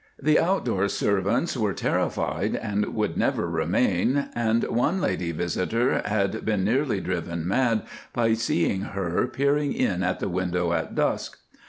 The outdoor servants were terrified, and would never remain, and one lady visitor had been nearly driven mad by seeing her peering in at the window at dusk.